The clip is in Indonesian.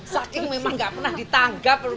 saking memang tidak pernah ditanggap